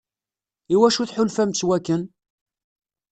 Iwacu tḥulfam s wakken?